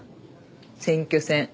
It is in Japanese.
選挙戦